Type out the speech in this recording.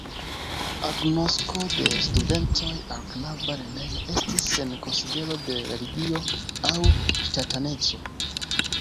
Agnosko de studentoj al knaba lernejo estis sen konsidero de religio aŭ ŝtataneco.